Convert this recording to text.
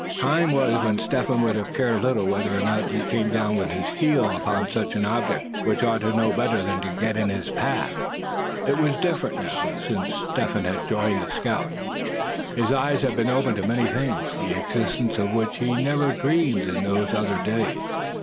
Time was when Step Hen would have cared little whether or not he came down with his heel upon such an object, which ought to know better than get in his path. It was different now, since Step Hen had joined the scouts. His eyes had been opened to many things, the existence of which he had never dreamed in those other days.